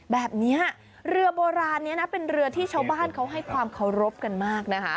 แบบนี้เรือโบราณนี้นะเป็นเรือที่ชาวบ้านเขาให้ความเคารพกันมากนะคะ